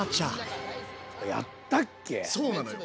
そうなのよ。